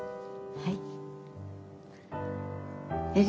はい。